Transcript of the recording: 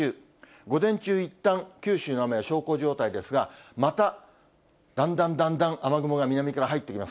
午前中、いったん、九州の雨は小康状態ですが、まただんだんだんだん雨雲が南から入ってきます。